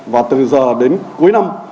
và từ giờ đến cuối năm